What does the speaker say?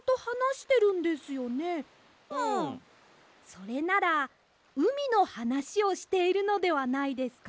それならうみのはなしをしているのではないですか？